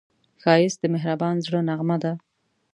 ښایست د مهربان زړه نغمه ده